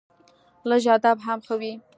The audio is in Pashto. لږ ادب هم ښه وي